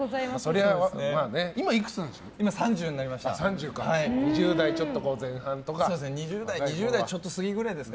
今いくつなんですっけ？